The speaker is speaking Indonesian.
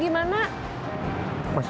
sepuluh kebun ketika kita bisa mencoba